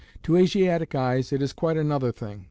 To Asiatic eyes it is quite another thing.